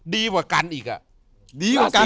ดีกว่ากันอีก